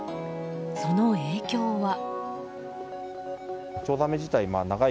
その影響は。